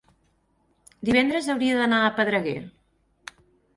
Divendres hauria d'anar a Pedreguer.